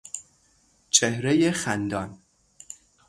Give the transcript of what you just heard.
چهرهی خندان